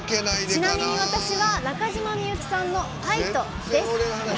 ちなみに私は中島みゆきさんの「ファイト！」です。